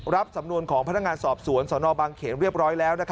รับสำนวนของพนักงานสอบสวนสนบางเขนเรียบร้อยแล้ว